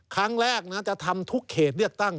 ครั้งแรกจะทำทุกเขตเลือกตั้ง